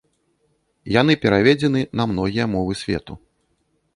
Яны пераведзены на многія мовы свету.